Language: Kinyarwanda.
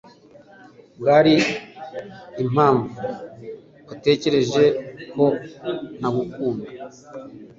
Mbwira impamvu watekereje ko ntakunda